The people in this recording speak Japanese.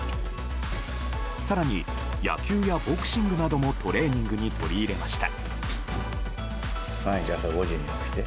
更に、野球やボクシングなどもトレーニングに取り入れました。